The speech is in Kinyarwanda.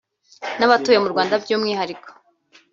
n’abatuye mu Rwanda by’umwihariko